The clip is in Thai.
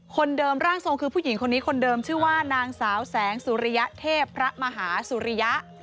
คนเดิมร่างทรงคือผู้หญิงคนนี้คนเดิมชื่อว่านางสาวแสงสุริยเทพพระมหาสุริยะ